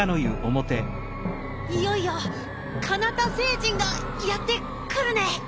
いよいよカナタ星人がやってくるね。